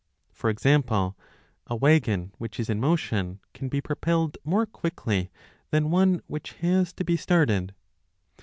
For example, a wagon which is in motion can be propelled more quickly than 5 one which has to be started.